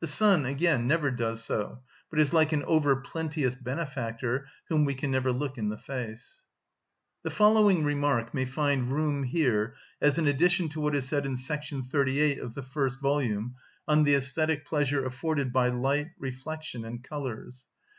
The sun, again, never does so; but is like an over‐plenteous benefactor whom we can never look in the face. The following remark may find room here as an addition to what is said in § 38 of the first volume on the æsthetic pleasure afforded by light, reflection, and colours.